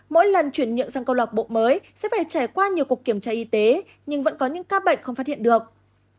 mỗi lần chuyển nhượng sang câu lạc bộ mới sẽ phải trải qua nhiều cuộc kiểm tra y tế nhưng vẫn có những ca bệnh không phát hiện được